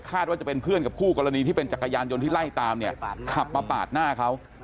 ว่าจะเป็นเพื่อนกับคู่กรณีที่เป็นจักรยานยนต์ที่ไล่ตามเนี่ยขับมาปาดหน้าเขา